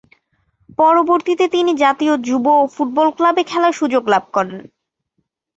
পরবর্তিতে তিনি জাতীয় যুব ফুটবল ক্লাবে খেলার সুযোগ লাভ করেন।